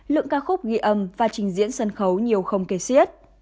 lượng ca khúc ghi âm và trình diễn sân khấu nhiều không kề siết